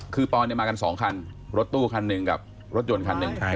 คือปอนด์เนี่ยมากันสองคันรถตู้คันหนึ่งกับรถยนต์คันหนึ่งใช่ปะ